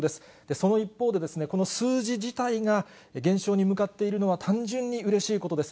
その一方で、この数字自体が減少に向かっているのは単純にうれしいことです。